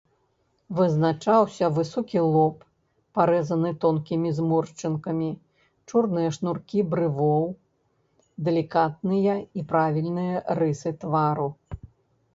Вызначаўся высокі лоб, парэзаны тонкімі зморшчынкамі, чорныя шнуркі брывоў, далікатныя і правільныя рысы твару.